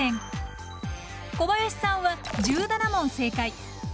小林さんは１７問正解。